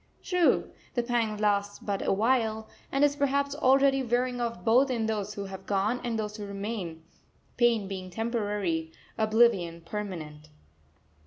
True, the pang lasts but a while, and is perhaps already wearing off both in those who have gone and those who remain, pain being temporary, oblivion permanent.